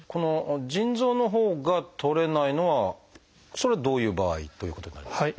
腎臓のほうがとれないのはそれはどういう場合ということになりますか？